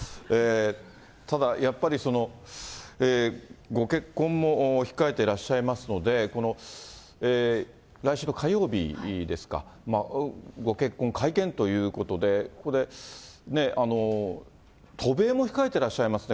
ただやっぱり、ご結婚も控えていらっしゃいますので、来週の火曜日ですか、ご結婚会見ということで、これ、渡米も控えていらっしゃいますね。